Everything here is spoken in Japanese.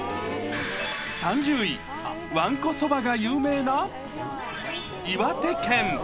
３０位、わんこそばが有名な岩手県。